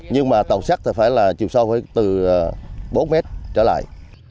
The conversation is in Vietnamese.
nhưng mà tàu sắt thì phải là chiều sâu phải từ bốn mét trở lại